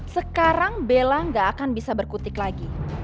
sekarang bella gak akan bisa berkutik lagi